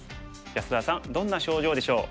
安田さんどんな症状でしょう？